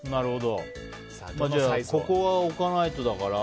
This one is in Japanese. ここは置かないとだから。